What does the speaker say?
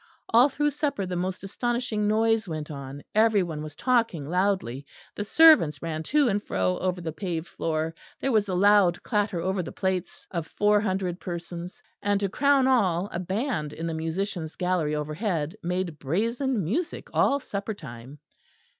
All through supper the most astonishing noise went on. Everyone was talking loudly; the servants ran to and fro over the paved floor; there was the loud clatter over the plates of four hundred persons; and, to crown all, a band in the musicians' gallery overhead made brazen music all supper time.